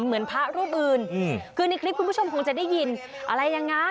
เหมือนพระรูปอื่นคือในคลิปคุณผู้ชมคงจะได้ยินอะไรยังไง